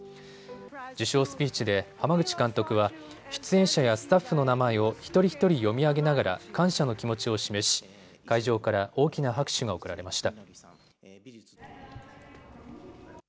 受賞スピーチで濱口監督は出演者やスタッフの名前を一人一人読み上げながら感謝の気持ちを示し、会場から大きな拍手が送られました。